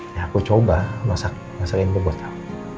ya aku coba masakin gue buat tau